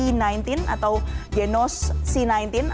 alat ini digunakan untuk mendeteksi voc